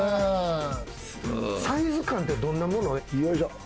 サイズ感ってどんなもの？